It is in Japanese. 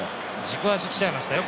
軸足来ちゃいましたよ。